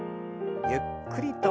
ゆっくりと。